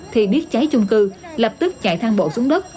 thì nước cháy chung cư lập tức chạy thang bộ xuống đất